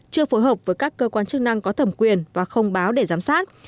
chưa phối hợp với các cơ quan chức năng có thẩm quyền và không báo để giám sát